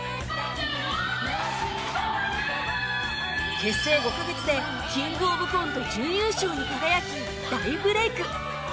結成５カ月でキングオブコント準優勝に輝き大ブレーク